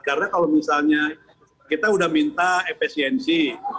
karena kalau misalnya kita sudah minta efisiensi